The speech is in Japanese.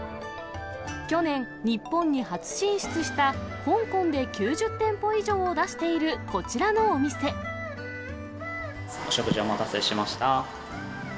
去年、日本に初進出した香港で９０店舗以上を出しているこちらお食事、お待たせしました。